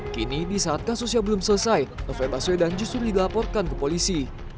kini di saat kasusnya belum selesai novel baswedan justru dilaporkan ke polisi